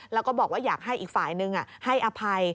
แล้วก็บอกว่าอยากให้อีกฝ่ายนึงให้อภัย